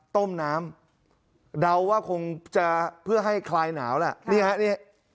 ต้มน้ำเดาว่าคงจะเพื่อให้คลายหนาวแหละนี่ฮะนี่